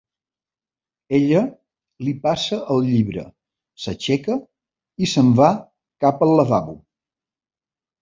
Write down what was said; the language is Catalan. Ella li passa el llibre, s'aixeca i se'n va cap al lavabo.